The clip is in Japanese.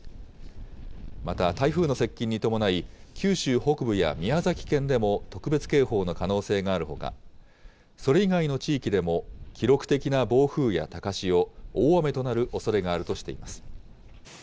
また台風の接近に伴い、九州北部や宮崎県でも特別警報の可能性があるほか、それ以外の地域でも、記録的な暴風や高潮、大雨となるおそれがあるとしています。